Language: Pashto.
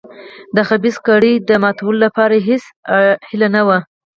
د خبیثه کړۍ د ماتولو لپاره هېڅ هیله نه وه.